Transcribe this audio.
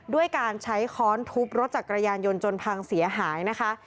ด้วยการใช้ค้อนทุบรถจักรยานยนต์จนพังเสียหายนะคะ